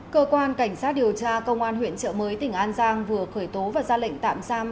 cơ quan cảnh sát điều tra công an huyện trợ mới tỉnh an giang vừa khởi tố và ra lệnh tạm giam